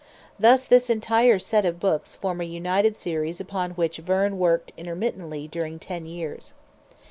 Thus this entire set of books form a united series upon which Verne worked intermittently during ten years.